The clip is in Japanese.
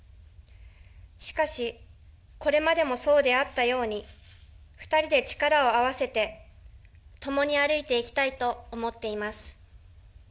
しかし、これまでもそうであったように、２人で力を合わせて、共に歩いていきたいと思っています。